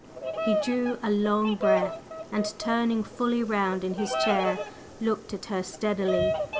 He drew a long breath, and turning fully round in his chair, looked at her steadily.